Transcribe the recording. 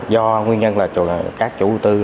do nguyên nhân là các chủ tư